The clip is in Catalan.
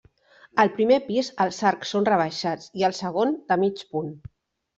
Al primer pis els arcs són rebaixats i al segon, de mig punt.